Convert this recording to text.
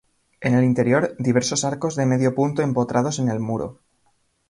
En el interior, diversos arcos de medio punto empotrados en el muro.